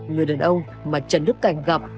người đàn ông mà trần đức cảnh gặp